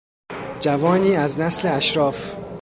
جوانی از نسل اشراف